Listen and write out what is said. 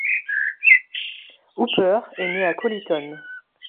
Hooper est né à Colyton.